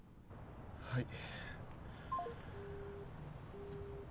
はい。